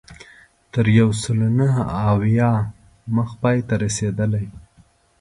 تر یو سلو نهه اویا مخ پای ته رسېدلې.